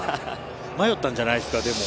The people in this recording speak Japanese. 迷ったんじゃないですか？